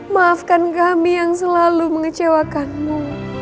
maafkan kami yang selalu mengecewakanmu